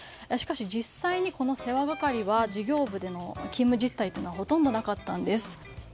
しかし、実際にこの世話係は事業部での勤務実態はほとんどなかったんです。